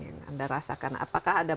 yang anda rasakan apakah ada